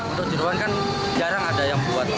untuk jeruan kan jarang ada yang buat